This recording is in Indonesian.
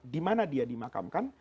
dimana dia dimakamkan